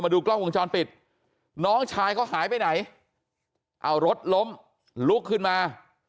ดูกล้องวงจรปิดน้องชายเขาหายไปไหนเอารถล้มลุกขึ้นมา